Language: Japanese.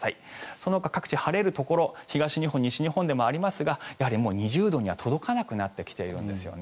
そのほか各地晴れるところ東日本、西日本でもありますがやはり２０度には届かなくなってきているんですよね。